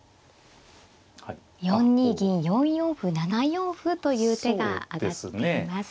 ４二銀４四歩７四歩という手が挙がっています。